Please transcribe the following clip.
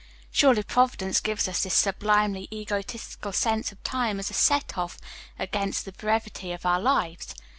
Surely Providence gives us this sublimely egotistical sense of Time as a set off against the brevity of our lives!